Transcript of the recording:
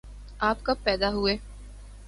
آپ کب پیدا ہوئے